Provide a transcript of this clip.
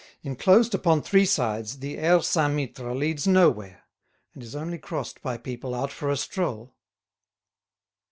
Enclosed upon three sides, the Aire Saint Mittre leads nowhere, and is only crossed by people out for a stroll.